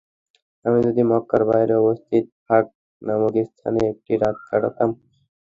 আমি যদি মক্কার বাইরে অবস্থিত ফাখ নামক স্থানে একটি রাত কাটাতাম।